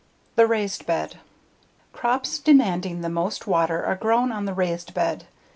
The Raised Bed Crops demanding the most water are grown on the raised bed.